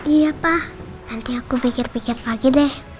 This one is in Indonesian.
iya pak nanti aku pikir pikir aja deh